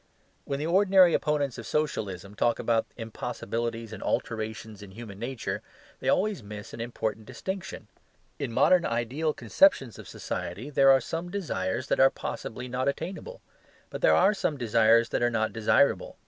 When the ordinary opponents of Socialism talk about impossibilities and alterations in human nature they always miss an important distinction. In modern ideal conceptions of society there are some desires that are possibly not attainable: but there are some desires that are not desirable.